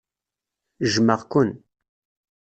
Jjmeɣ-ken.